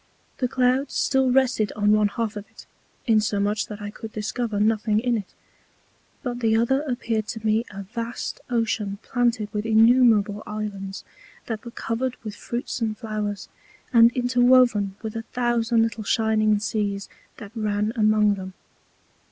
The Clouds still rested on one Half of it, insomuch that I could discover nothing in it: But the other appeared to me a vast Ocean planted with innumerable Islands, that were covered with Fruits and Flowers, and interwoven with a thousand little shining Seas that ran among them.